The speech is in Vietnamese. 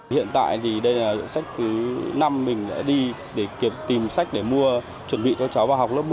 hiện tại thì đây là bộ sách thứ năm mình đã đi để kịp tìm sách để mua chuẩn bị cho cháu vào học lớp một